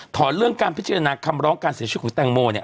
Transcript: เรื่องการพิจารณาคำร้องการเสียชีวิตของแตงโมเนี่ย